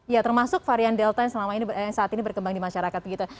ya termasuk varian delta yang saat ini berkembang di masyarakat begitu